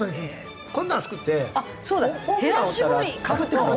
こんなの作ってホームランを打ったらかぶってもらう。